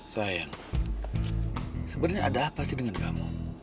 sayang sebenarnya ada apa sih dengan kamu